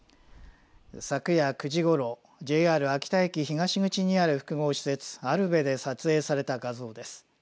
昨夜９時ごろＪＲ秋田駅東口にある複合施設ＡＬＶＥで撮影された画像です。